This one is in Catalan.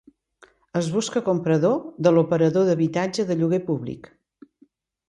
Es busca comprador de l'operador d'habitatge de lloguer públic.